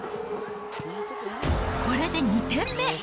これで２点目。